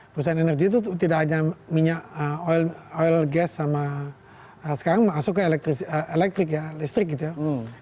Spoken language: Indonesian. perusahaan energi itu tidak hanya minyak oil gas sama sekarang masuk ke elektrik ya listrik gitu ya